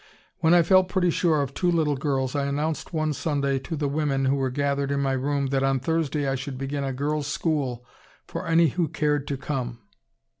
When I felt pretty sure of two little girls, I announced one Sunday to the women who were gathered in my room that on Thursday I should begin a girls' school for any who cared to come.